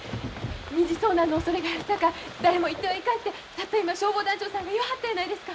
２次遭難のおそれがあるさか誰も行ってはいかんてたった今消防団長さんが言わはったやないですか。